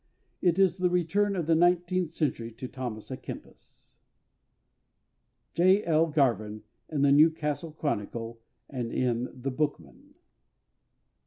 It is the return of the nineteenth century to THOMAS A KEMPIS. J. L. GARVIN, in The Newcastle Chronicle and in The Bookman.